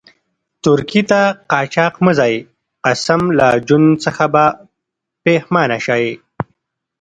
ترکيې ته قاچاق مه ځئ، قسم لا ژوند څخه به پیښمانه شئ.